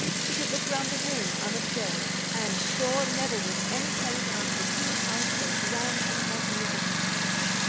She could look round the room, unobserved, and, sure, never was any place out of a king's house so grand and magnificent.